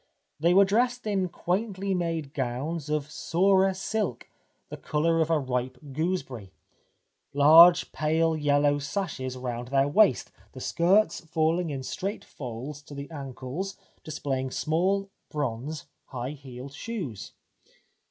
They were dressed in quaintly made gow^ns of Surah silk, the colour of a ripe gooseberry ; large pale yellow sashes round their waist ; the skirts falling in straight folds to the ankles displayed small bronze, high heeled shoes.